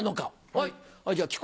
はい。